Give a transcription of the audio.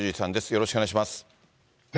よろしくお願いします。